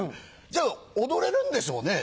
じゃ踊れるんでしょうね？